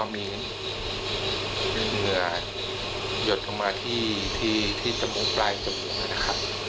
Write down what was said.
มีเหนือหยดออกมาที่จมูกไปล่งจมูก